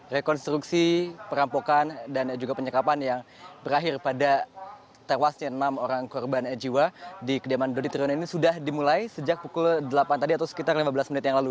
rekonstruksi perampokan dan juga penyekapan yang berakhir pada tewasnya enam orang korban jiwa di kediaman dodi truno ini sudah dimulai sejak pukul delapan tadi atau sekitar lima belas menit yang lalu